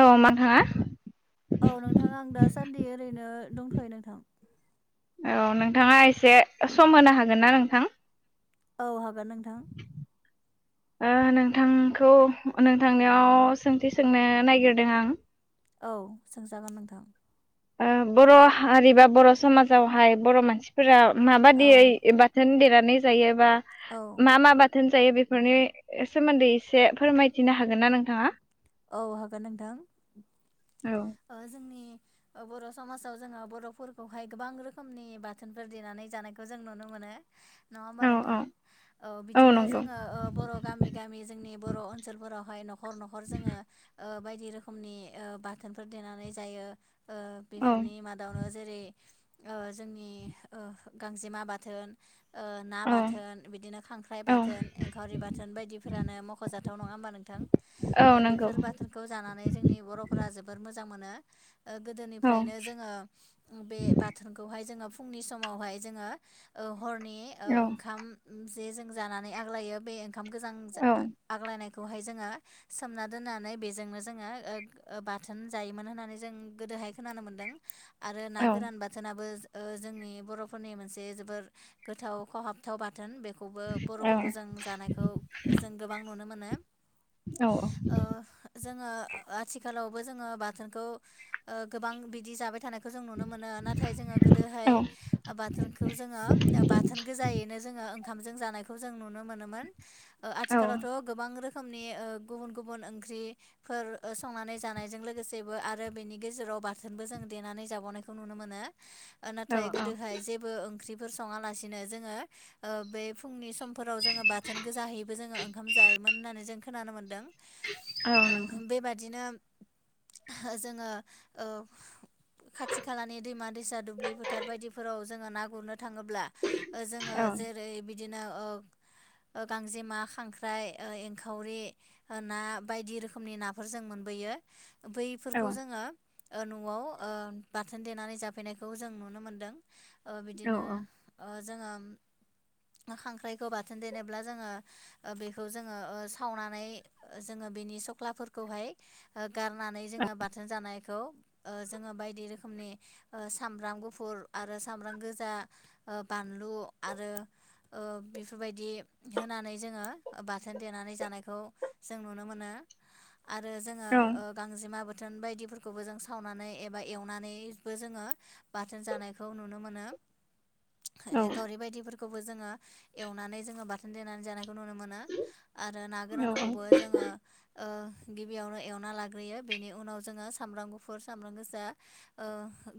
औ मा थाङा [unintelligible] औ नोंथां आं दा सान्दि ओरैनो दंथ'यो नोंथां औ नोंथाङा एसे सम होनो हागोन ना नोंथां औ हागोन नोंथां [unintelligible] नोंथांखौ नोंथांनियाव सोंथि सोंनो नागिरदों आं औ सोंजागोन नोंथां ओ बर हारि बा बर समाजावहाय बर मानसिफोरा औ माबाददियै बाथोन देरनानै जायोबा औ मा मा बा थोन जायो बेफोरनि सोमोन्दै एसे फोरमायथिनो हागोन ना नोंथाङा औ हागोन नोंथां औ ओ जोंनि बर समाजाव जोङो बरफोरखौहाय गोबां रोखोमनि बाथोनफोर देनानै जानायखौ जों नुनो मोनो नो नङा होमबा औ औ नोंथां औ बिदिनो जोङो बर गामि गामि जोंनि बर ओनसोलफोरावहाय नखर नखर जोङो ओ बायदि रोखोमनि बाथोनफोर देनानै जायो ओ औ बेफोरनि मादावनो जेरै ओ जोंनि ओ गांजेमा बाथोन ओ ना औ बाथोन बिदिनो खांख्राइ औ बाथोन एंखावरि बाथोन बायदिफोरानो मखजाथाव नङा होमबा नोंथां औ नंगौ बेफोर बाथोरखौ जानानै जोंनि बरफोरा जोबोर मोजां मोनो ओ औ गोदोनिफ्रायनो जोङो बे बाथोनखौहाय जोङो फुंनि समावहाय जोङो हरनि ओ औ ओंखाम जे जों जानानै आग्लायो बे ओंखाम गोजां औ आग्लायनायखौहाय जोङो सोमना दोननानै बेजोंनो जोङो बाथोन जायोमोन होननानै जों गोदोहाय खोनानो मोन्दों आरो ना औ गोरान बाथोनाबो ओ जोंनि बरफोरनि मोनसे जोबोर गोथाव खहाबथाव बाथोन बेख खौबो औ बरफोरखौ जों जानायखौ जों गोबां नुनो मोनो औ ओ जोङो आथिखाल आथिखालावबो जोङो बाथोनखौ गोबां बिदि जाबाय थानाय जों नुनो मोनो नाथाय जोङो गोदोहाय बाथोनखौ जोङो बाथोन गोजायैनो जोङो ओंखामजों जानायखौ जों नुनो मोनोमोन औ आथिखालावथ गोबां रोखोमनि ओ गुबुन गुबुन ओंख्रिफोर संनानै जानायजों लोगोसेबो आरो बेनि गेजेराव बाथोनबो जों देनानै जाबावनायखौ नुनो मोनो नाथाय औ गोदो जेबो ओंख्रि सङालासिनो जोङो ओ बे फुंनि समफोराव जोङो बाथोन गोजाहैबो जोङ ओंखाम जायो मोन होननानै जों खोनानो मोन्दों औ नंगौ ओ बेबादिनो [unintelligible] जोङो ओ खाथि खालानि दैमा दैसा दुब्लि फोथार बायदिफोराव जोङो ना गुरनो थाङोब्ला ओ जोङो औ जोेरै बिदिनो ओ गांजेमा खांख्राइ एंखावरि ना बायदि रोखोमनि नाफोर जों मोनबोयो औ बैफोरखौ जोङो नआव ओ बाथोन देनानै जाफैनायखौ जों नुनो मोनदों ओ औ बिदिनो औ ओ जोङो खांख्राइखौ बाथोन देनोब्ला जोङो ओ बेखौ जोङो ओ सावनानै जोङो बेनि सक्ला फोरखौहाय ओ गारनानै जोङो बाथोन जानायखौ ओ जोङो बायदि रोखोमनि ओ सामब्राम गुफुर आरो सामब्राम गोजा बानलु लु आरो ओ बेफोरबादि होनानै जोङो बाथोन देनानै जानायखौ खौ जों नुनो मोन आरो जोङो औ ओ गांजेमा बाथोन बायदिफोरखौबो जों सावनानै एबा एवनानैबो जोङो बाथोन जानायखौ नुनो मोनो। [inaudible] औ गावरि बायदिफोरखौबो जोङो एवनानै जोङो बाथोन दोननानै जानाय खौ नुनो मोनो आरो ना औ गोरानखौबो जोङो ओ ओ गिबियावनो एवना लाग्रोयो बेनि उनाव जोङो सामब्राम गुफुर सामब्राम गोजा ओ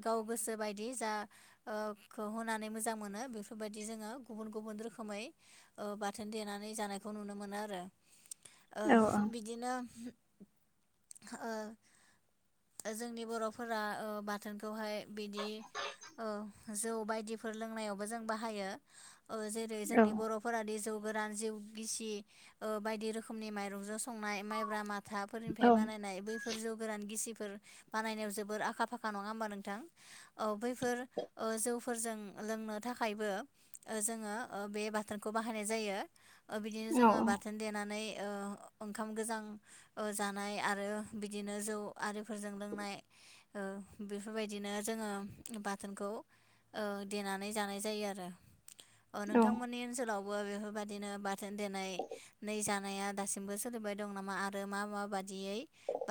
गाव गोसो बायदि जाखौ होनानै मोजां मोनो बेफोरबायदि जोङो गुबुन गुबुन रोखोमै ओ बाथोन देनानै जानायखौ नुनो मोनो आरो। ओ औ बिदिनो ओ जोंनि बर'फोरा ओ बाथोनखौहाय बिदि औ जौ बायदिफोर लोंनायावबो जों बाहायो। जेरै औ जोंनि बर'फोरादि जौ गोरान जौ गिसि बायदि रोखोमनि माइरंजों संनाय माइब्रा माथाफोरनिफ्राय बानायनाय बैफोर जौ गोरान गिसि बानायनायाव जोबोर आखा फाखा नङा होमबा नोंथां ओ बैफोर जौफोरजों लोंनो थाखायबो जोङो ो बे बाथोनखौ बाहायनाय जायो। बिदिनो जों होननानै ओंखाम गोजां जानाय आरो बिदिनो जौ आरिफोरजों लों जानाय बेफोर बायदिनो जोङो बाथोनखौ ओ देनानै जानाय जायो आरो। अ औ नोंथांमोननि ओनसोलावबो बेफोरबायदिनो बाथोन देनाय नै जानाया दासिमबो सोलिबाय दं नामा आरो मा मा बादियै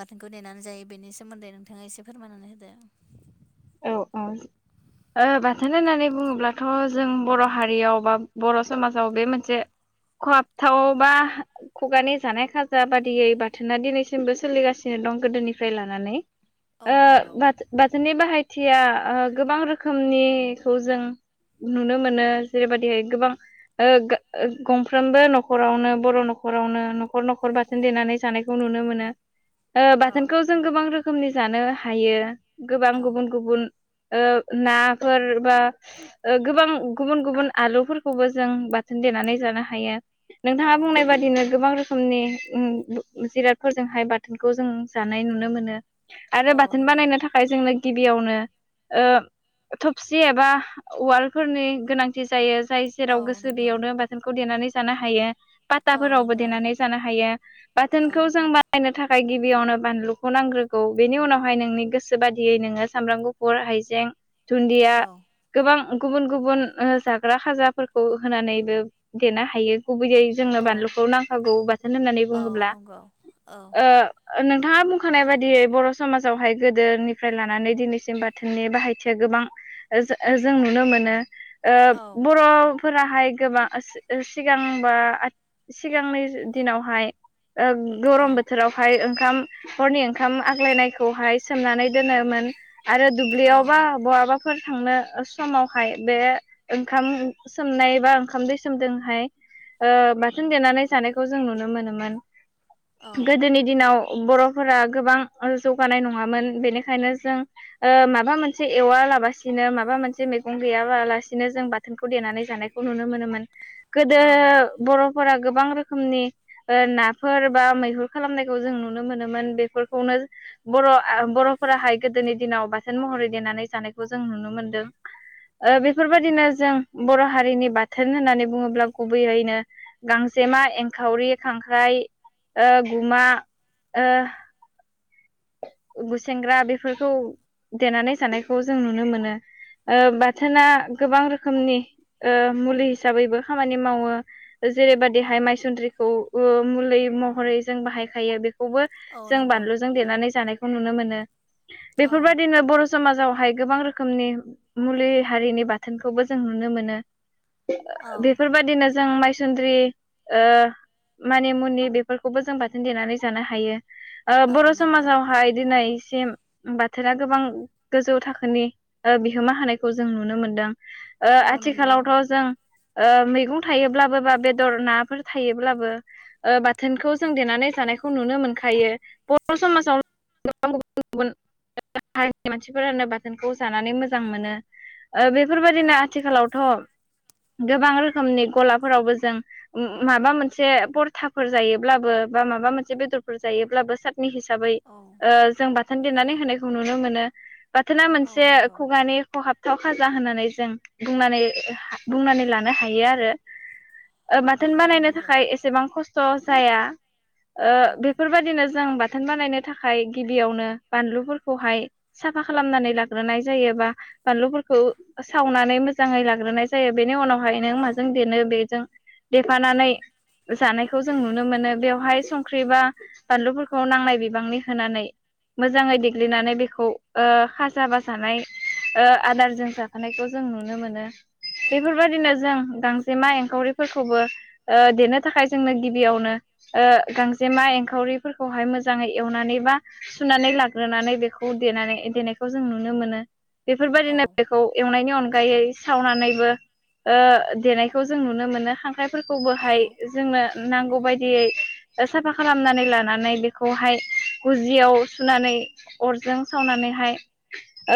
बाथोनखौ देनानै जायो। बेनि सोमोन्दै नोंथाङा एसे फोरमायनानै होदो। औ औ। बाथोन होननानै बुङोब्लाथ' जों बर' हारियाव बा बर' समाजाव बे मोनसे खहाबथाव बा खुगानि जानाय खाजा बादियै बाथोना दिनैसिमबो सोलिगासिनो दं गोदोनिफ्राय लानानै औ ओ नंगौ बाथोननि बाहाय खोथिया गोबां रोखोमनिखौ जों नुनो मोनो जेरै बायदिहाय गोबां ओ गंफ्रोमबो नखरावनो बर' नखरावनो नखर नखर बाथोन देनानै जानायखौ नु ओ औ बाथोन जों नंगौ गोबां रोखोमनि जानो हायो गोबां औ गुबुन गुबुन उम। ओ नाफोर बा गोबां गुबुन गुबुन आलुफोरखौबो जों बाथोन देनानै जानो हायो नोंथाङा औ बुंनाय नंगौ बादिनो गोबां रोखोम रोखोमनि जिरादफोरजोंहाय बाथोनखौ जों जानाय नुनो मोनो। आरो औ बाथोन नंगौ बानायनो थाखाय जोंनो बेयावनो ओ थबसि एबा उवालफोरनि गोनांथि जायो। जाय औ जेराव गोसो नंगौ बेयावनो बाथोनखौ देनानै जानो हायो। औ पाथाफोरावबो नंगौ देनानै जानो हायो औ बाथोनखौ जों बानायनो थाखाय गिबियावनो बानलुखौ नांग्रोगौ बेनि उनावहाय नोंनि गोसो बादियै नोङो सामब्राम गुफुर हाइजें दुन्दिया औ गोबां गुबुन गुबुन जाग्रा खाजाफोरखौ होनानै देनो हायो। गुबैयै जोंनो औ बानलुखौ नांखागौ बाथोन होननानै औ बुङोब्ला। नंगौ औ ओ नोंथाङा बुंखानाय बायदियै बर' समाजावहाय गोदोनिफ्राय लानानै दिनैसिम बाथोननि बाहायथिया गोबां जों नुनो मोनो। ओ औ बर' -फोराहाय गोबां सिगांबा सिगांनि दिनावहाय गरम औ बोथोरावहाय ओंखाम हरनि ओंखाम आग्लायनायखौहाय सोमनानै दोनोमोन। आरो दुब्लियावबा औ बहाबा फोर थांनो समावहाय बे ओंखाम सोमनाय बा ओंखाम दै सोमदोंहाय बाथोन देनानै जानायखौ जों नुनो मोनोमोन। औ गोदोनि दिनाव बरफोरा गोबां जौगानाय नंङामोन बेनिखायनो जों ओ माबा मोनसे एवालाबासिनो माबा मोनसे मैगं गैयालासिनो जों बाथोनखौ देनानै जायो। जानायखौ नुनो मोनोमोन गोदो औ बर' फोरा गोबां रोखोमनि नाफोर बा मैहुर खालामनायखौ जों नुनो मोनोमोन बेफोरखौनो बर बरफोराहाय गोदोनि दिनाव बाथोन महरै देनानै जानायखौ जों नुनो मोनदों। बेफोर बायदिनो जों बर हारिनि बाथोन होननानै बुङोब्ला गुबैयैनो गांसे गांसेमा, एंखावरि, खांख्राइ, गुमा बुसेेंग्रा बेफोरखौ देनानै जानायखौ जों नुनो मोनो बाथोना गोबां रोखोमनि मुलि हिसाबैबो खामानि मावो जेरैबायदिहाय माइसुन्द्रिखौबो मुलि महरै जों बाहायखायो बे खौबो औ जों नंगौ बानलुजों देनानै जानायखौ नुनो मोनो औ बेफोरबायदिनो बर समाजावहाय गोबां रोखोमनि मुलि हारिनि बाथोनखौबो जों नुनो मोनो औ बेफोरबायदिनो जों माइसुन्द्रि मानि मुनि बेफोरखौबो जों बाथोन देनानै जानो हायो ओ औ बर नंगौ समाजाव हाय दिनैसिम बाथोना गोबां गोजौ थाखोनि बिहोमा होनायखौ जों नुनो मोनदों औ नंगौ आथिखालावथ जों ओ मैगं थायोब्लाबो बा बेदर नाफोर थायोब्लाबो बाथोनखौ जों देनानै जानाय नुनो मोनखायो बर औ समाव [unintelligible] गुबुन गुबुनारिनि मानसिफोरानो बाथोनखौ जानानै मोजां मोनो औ बेफोरबायदिनो आथिखालावथ' गोबां रोखोमनि गलाफोरावबो जों माबा मोनसे परथाफोर जायोब्लाबो बा माबा मोनसे बेदरफोर जायोब्लाबो सातनि हिसाबै औ ओ जों बाथोन देनानै होनायखौ नुनो मोनो बाथोना औ मोनसे नंगौ खुगानि खहाबथाव फाजा होननानै जों बुंनानै बुंनानै लानो हायो आरो बाथोन औ बानायनो नंगौ थाखाय एसेबां खस्थ जाया औ बेफोरबायदिनो जों बाथोन बानायनो थाखाय गिबियावनो बानलुफोरखौहाय साफा खालामनानै लाग्रोनाय जायो बा बानलुफोरखौ खौ सावनानै मोजांङै लाग्रोनाय जायो बेनि उनावहाय नों औ माजों देनो बेजों देफानानै जानायखौ जों नुनो मोनो बेवहाय संख्रि बा बानलुफोरखौ नांलाय बिबांनि होनानै मोजांङै देग्लिनानै बेखौ खाजा बाजानाय आदारजों जाफानायखौ जों नुनो मोनो औ बेफोरबायदिनो जों गांजेमा एंखावरिफोरखौबो देनो थाखाय जोंनो गिबियावनो गांजेमा एंखावरिफोरखौहाय मोजांङै एवनानै बा सुनानै लाग्रोनानै बेखौ देनानै देनायखौ जों नुनो मोनो औ बेफोरबायाददिनो बेखौ एवनायनि अनगायै अनगायै सावनानैबो देनायखौ जों नुनो मोननो ह औ फोरखौबोहाय जोंनो नांगौ नांगौ बायदियै साफा खालामनानै लानानै बेखौहाय गुजियाव सुनानै अरजों सावनानैहाय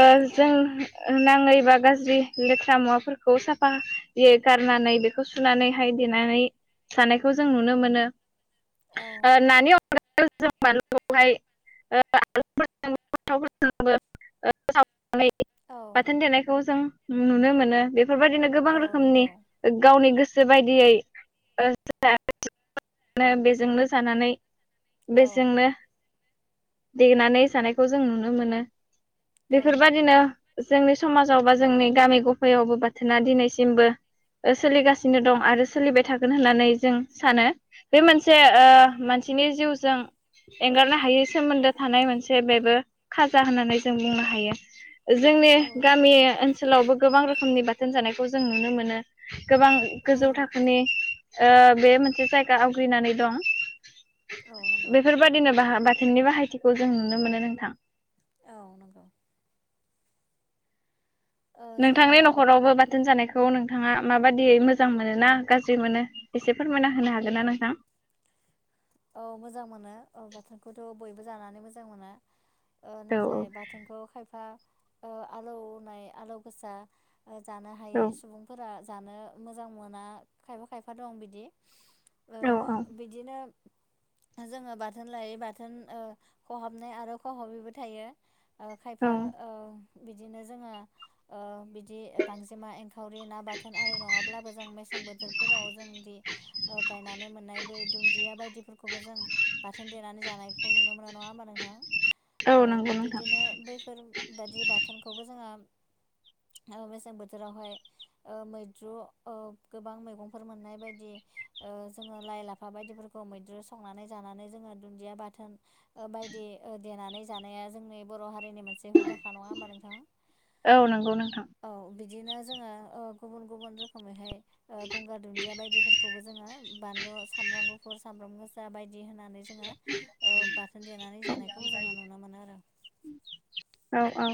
ओ जों ना बा गाज्रि लेथ्रा मुवाफोरखौ साफायै गारनानै बेखौ सुनानैहाय देनानै जानायखौ जों नुनो मोनो औ नानि [unintelligible] [unintelligible] औ बाथोन देनायखौ जों नुनो मोनो बे बेफोरबायदिनो गोबां औ रोखोमनि नंगौ गावनि गोसो गोसो बायदियै [unintelligible] बेजोंनो जानानै औ बेजोंनो देनानै जानायखौ जों नुनो मोनो औ बेफोरबायदिनो जोंनि समाजाव बा जोंनि गामि गफायावबो बाथोना दिनैसिमबो सोलिगासिनो औ दं आरो सोलिबाय थागोन होननानै जों सानो बे मोनसे ओ औ मानसिनि जिउजों एंगारनो हायै सोमोन्दो थानाय मोनसे बेबो खाजा होननानै जों बुंनो हायो जोंनि नंगौ गामि ओनसोलावबो गोबां रोखोमनि बाथोन जानायखौ जों नुनो मोनो गोबां गोजौ थाखोनि ओ बे मोनसे जायगा आवग्रिनानै दं औ नंगौ बेफोरबायदिनो बाह बाथोननि बाहायथिखौ जों नुनो मोनो नोंथां औ नंगौ ओ जोङो नोंथांनि न'खरावबो बाथोन जानायखौ। खौ नोंथांङा माबादि मोजां मोनो ना गाज्रि मोनो एसे फोरमायना होनो हागोन ना नोंथां। [inaudible] औ मोजां मोनो औ बाथोनखौथ बयबो जानानै मोजां मोनो। ओ औ नाथाय बाथोनखौ खायफा ओ आलौनाय आलौ गोसा। ओ जानो औ हायि सुबुंफोरा जानो मोजां मोना खायफा खायफा दं बिदि। ओ औ बिदिनो। ओ जोंङो बाथोन लायै बाथोन ओ खहाबनाय आरो खहाबैबो थायो। ओ खायफा औ ओ। बिदिनो जोंङो ओ बिदि गांजेमा एंखावरि ना बाथोन आरि नंङाब्लाबो जों मेस। सें बोथोरफोराव जोंदि ओ गायनानै मोननाय बै दुन्दिया बायदि। दिफोरखौबो जों बाथोन देनानै जानायखौ नुनो मोना नंङा ओमबा नोंथां। औ बिदिनो बैफोरबादि बाथोनखौबो जोंङो। [inaudible] औ मेसें बोथोरावहाय ओ मैद्रु ओ गोबां मैगंफोर मोननाय बायदि। ओ जोंङो लाइ लाफा बायदिफोरखौ। औ मैद्रु संनानै जानानै जोंङो दुन्दिया बाथोन ओ बायदि ओ देनानै जानाया जोंनि बर' हारि। जोंनि मोनसे हुदाखा नंङा ओमबा नोंथां औ नंगौ नोंथां औ। बिदिनो जोंङो ओ गुबुन गुबुन रोखोमैहाय ओ गंगार दुुनन्दिया बायदिफोरखौबो जोंङो। बानलु सामब्राम गुफुर सामब्राम गोजा बायदि। बिदि होनानै जोंङो ओ बाथोन देनानै जानायखौ जोंङो नुनो मोनो आरो। औ औ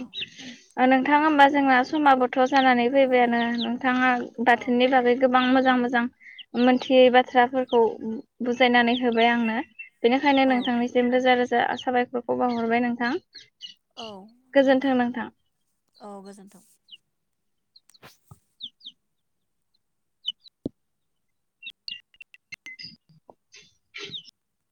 ओ नोंथां ओमबा जोंना समा बो। बोथ जानानै औ फैबाय आरो ना नोंथांङा औ बाथोननि नंगौ बागै गोबां मोजां मोजां। मोनथियै बाथ्राफोरखौ उम्म। औ बुजायनानै होबाय आंनो बेनिखायनो औ नोंथांनिसिम रोजा रोजा। दा साबायखरखौ बावहरबाय नोंथां। गोजोन्थों नोंथां। औ गोजोन्थों [inaudible]